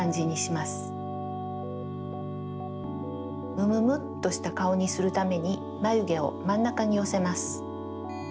むむむっとしたかおにするためにまゆげをまんなかによせます。